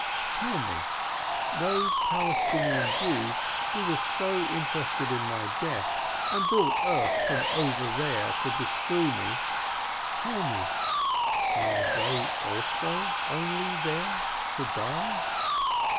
Tell me, those Palestinian Jews who were so interested in my death, and brought earth from over there to bestrew me — tell me, are they also only there to die?